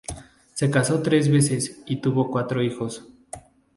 Se casó tres veces y tuvo cuatro hijos.